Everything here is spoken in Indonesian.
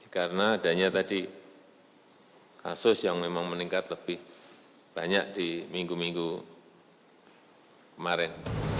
karena adanya tadi kasus yang memang meningkat lebih banyak di minggu minggu kemarin